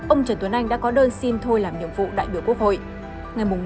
ông trần tuấn anh đã có đơn xin thôi làm nhiệm vụ đại biểu quốc hội